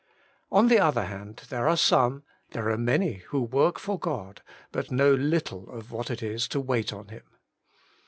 On the other hand, there are some, there are many, who work for God, but know little of what it is to wait on Him.